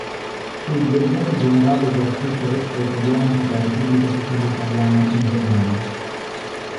Fu Delegato Generale della Croce Rossa Italiana per la Repubblica Sociale Italiana in Germania.